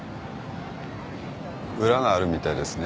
裏があるみたいですね。